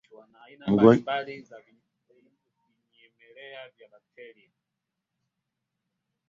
mgonjwa wa malaria anaweza kuwa na joto kali sana